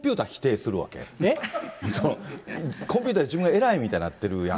コンピューターより自分がえらいみたいになってるやん。